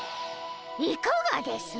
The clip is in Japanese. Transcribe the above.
いかがです？